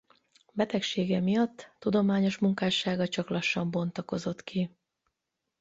Betegsége miatt tudományos munkássága csak lassan bontakozott ki.